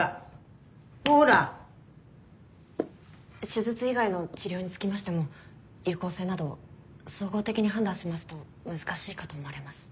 手術以外の治療につきましても有効性など総合的に判断しますと難しいかと思われます。